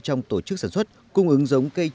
trong tổ chức sản xuất